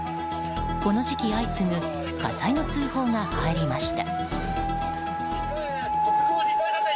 この時期相次ぐ火災の通報が入りました。